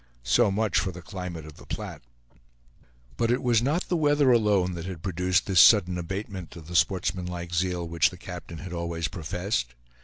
So much for the climate of the Platte! But it was not the weather alone that had produced this sudden abatement of the sportsmanlike zeal which the captain had always professed.